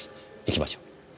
行きましょう。